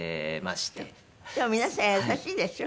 でも皆さん優しいでしょ？